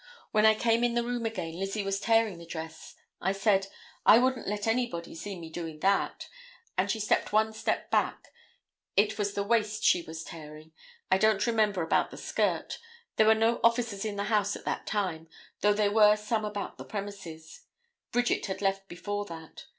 When I came in the room again, Lizzie was tearing the dress, I said: 'I wouldn't let anybody see me doing that,' and she stepped one step back; it was the waist she was tearing; I didn't remember about the skirt; there were no officers in the house at that time, though there were some about the premises; Bridget had left before that.